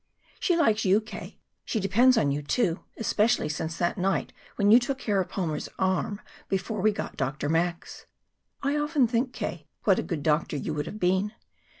"She likes you, K. She depends on you, too, especially since that night when you took care of Palmer's arm before we got Dr. Max. I often think, K., what a good doctor you would have been.